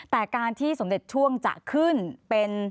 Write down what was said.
แต่การที่สมเด็จช่วงจะขึ้นเป็น